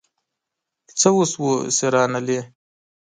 څه وشول چي رانغلې ؟